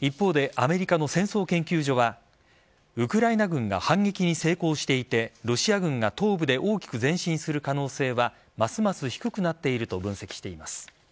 一方でアメリカの戦争研究所はウクライナ軍が反撃に成功していてロシア軍が東部で大きく前進する可能性はますます低くなっていると分析しています。